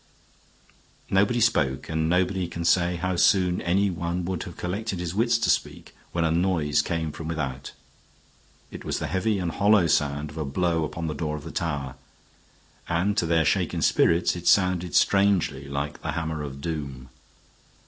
Nobody spoke, and nobody can say how soon anyone would have collected his wits to speak when a noise came from without. It was the heavy and hollow sound of a blow upon the door of the tower, and to their shaken spirits it sounded strangely like the hammer of doom.